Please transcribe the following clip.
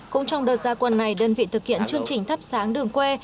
cũng trong đợt gia quân này đơn vị thực hiện chương trình thắp sáng đường quê